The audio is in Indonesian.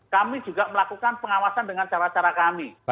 kami juga melakukan pengawasan dengan cara cara kami